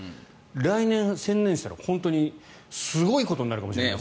来年、専念したら本当にすごいことになるかもしれません。